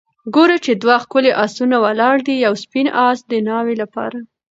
ګورو چې دوه ښکلي آسونه ولاړ دي ، یو سپین آس د ناوې لپاره